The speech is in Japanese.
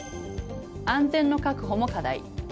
安全の確保も課題。